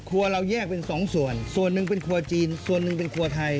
เราแยกเป็นสองส่วนส่วนหนึ่งเป็นครัวจีนส่วนหนึ่งเป็นครัวไทย